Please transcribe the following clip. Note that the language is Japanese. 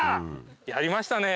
やりましたね。